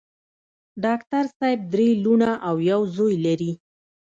ډاکټر صېب درې لوڼه او يو زوے لري